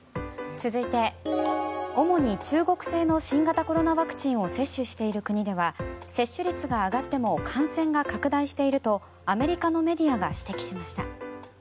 続いて、主に中国製の新型コロナワクチンを接種している国では接種率が上がっても感染が拡大しているとアメリカのメディアが指摘しました。